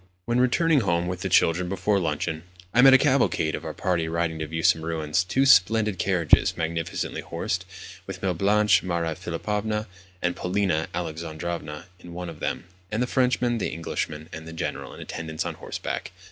When returning home with the children before luncheon, I met a cavalcade of our party riding to view some ruins. Two splendid carriages, magnificently horsed, with Mlle. Blanche, Maria Philipovna, and Polina Alexandrovna in one of them, and the Frenchman, the Englishman, and the General in attendance on horseback!